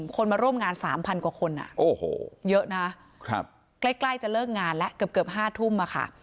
คนมาร่วมงาน๓๐๐กว่าคนเยอะนะใกล้จะเลิกงานแล้วเกือบ๕ทุ่มค่ะ